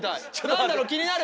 何だろ気になる！